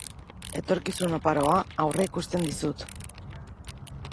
Etorkizun oparoa aurreikusten dizut.